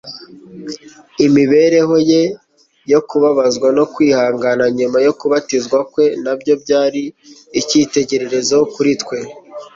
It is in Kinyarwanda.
Imibereho ye yo kubabazwa no kwihangana nyuma yo kubatizwa kwe na byo byari icyitegererezo kuri twe